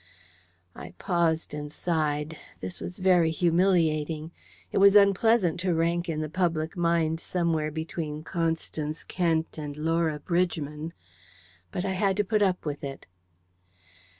I paused and sighed. This was very humiliating. It was unpleasant to rank in the public mind somewhere between Constance Kent and Laura Bridgman. But I had to put up with it.